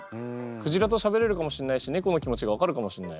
クジラとしゃべれるかもしんないし猫の気持ちが分かるかもしんない。